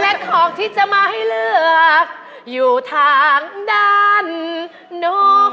และของที่จะมาให้เลือกอยู่ทางด้านนอก